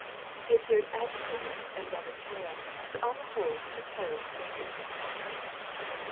He appeared agitated and rather pale, but on the whole composed and business like.